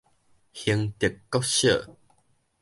興德國小